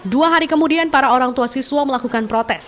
dua hari kemudian para orang tua siswa melakukan protes